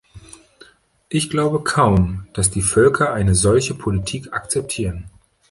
Ich glaube kaum, dass die Völker eine solche Politik akzeptieren.